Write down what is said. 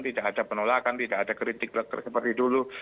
tidak ada penolakan tidak ada kritik seperti dulu